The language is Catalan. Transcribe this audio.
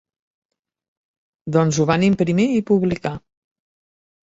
Doncs ho van imprimir i publicar.